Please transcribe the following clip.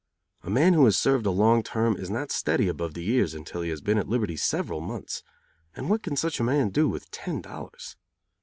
A man who has served a long term is not steady above the ears until he has been at liberty several months; and what can such a man do with ten dollars?